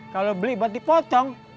kalau beli buat dipotong